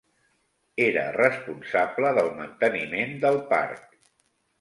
Era responsable del manteniment del parc.